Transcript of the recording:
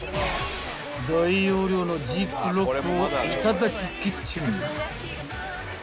［大容量のジップロックを頂きキッチン］